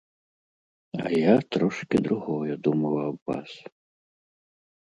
А я трошкі другое думаў аб вас.